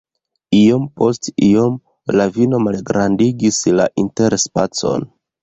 Iom post iom, la vino malgrandigis la interspacon.